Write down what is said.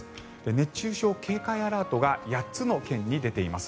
熱中症警戒アラートが８つの県に出ています。